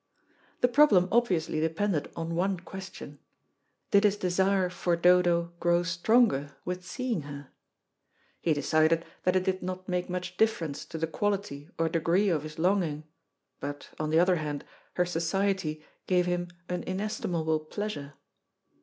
The problem obviously depended on one question. Did his desire for Dodo grow stronger with seeing her? He decided that it did not make much difference to the quality or degree of his longing, but, on the other hand, her society gave him an inestimable pleasure.